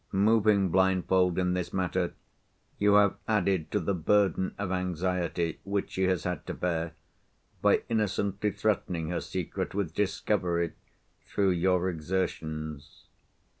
Moving blindfold in this matter, you have added to the burden of anxiety which she has had to bear, by innocently threatening her secret with discovery, through your exertions.